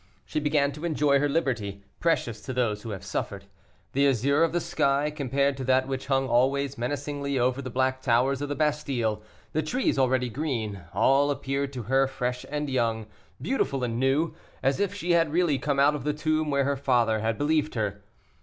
She began to enjoy her liberty, precious to those who have suffered. The azure of the sky, compared to that which hung always menacingly over the black towers of the Bastile, the trees already green, all appeared to her fresh and young, beautiful and new, as if she had really come out of the tomb where her father had believed her.